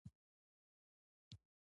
یا د جنېټیکي عواملو په پایله کې ستونزه لري.